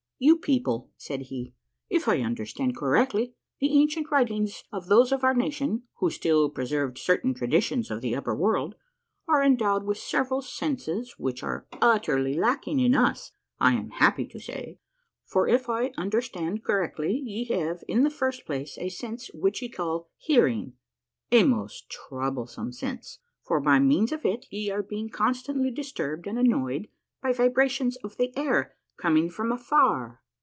"You people," said he, "if I understand correctly the ancient writings of those of our nation who still preserved certain tradi tions of the upper world, are endowed with several senses which are utterly lacking in us, I am happy to say, for if I understand correctly ye have in the first place a sense which ye call hearing, A MARVELLOUS UNDERGROUND JOURNEY 111 a most troublesome sense, for by means of it ye are being con stantly disturbed and annoyed by vibrations of the air coming from afar.